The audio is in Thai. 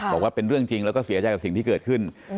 บอกว่าเป็นเรื่องจริงแล้วก็เสียใจกับสิ่งที่เกิดขึ้น